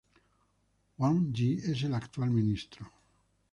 Wang Yi es el actual ministro.